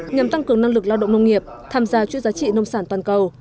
nhằm tăng cường năng lực lao động nông nghiệp tham gia chuỗi giá trị nông sản toàn cầu